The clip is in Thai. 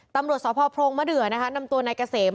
ตำรวจศพพรงศ์มาเดือนำตัวนายเกษม